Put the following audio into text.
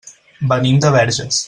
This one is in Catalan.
Venim de Verges.